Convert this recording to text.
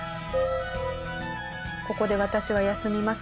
ここで私は休みます。